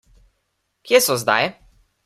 Kje so zdaj?